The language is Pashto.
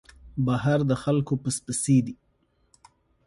بهر د خلکو پس پسي دی.